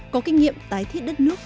có kinh nghiệm tái thiết đất nước